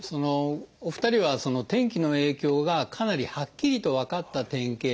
お二人は天気の影響がかなりはっきりと分かった典型例ですよね。